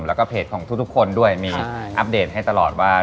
แล้วก็เพจของทุกคนด้วยมีอัปเดตให้ตลอดว่า